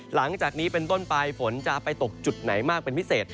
หลังจากนี้เป็นต้นไปฝนจะไปตกจุดไหนมากเป็นพิเศษ